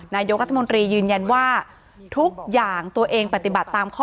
นายกรัฐมนตรียืนยันว่าทุกอย่างตัวเองปฏิบัติตามข้อ